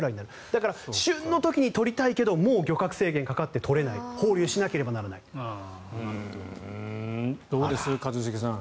だから、旬の時に取りたいけど、もう漁獲制限がかかって取れないどうです一茂さん。